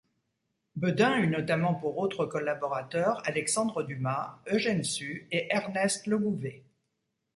Beudin eut notamment pour autres collaborateurs Alexandre Dumas, Eugène Sue et Ernest Legouvé.